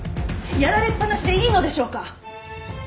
やられっ放しでいいのでしょうか。